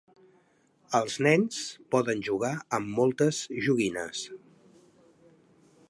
Els nens poden jugar amb moltes joguines.